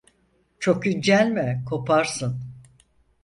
Çok incelme, koparsın.